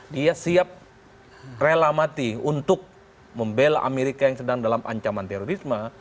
dia siap rela mati untuk membela amerika yang sedang dalam ancaman terorisme